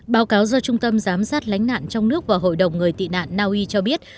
báo cáo do trung tâm giám sát lánh nạn trong nước và hội đồng người tị nạn naui cho biết